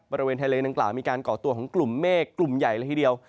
บริเวณทะเลดังกล่าวมีการก่อตัวของกลุ่มเมฆกลุ่มใหญ่เลยทีเดียว